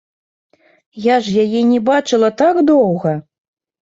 Я ж яе не бачыла так доўга!